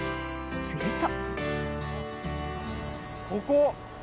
すると。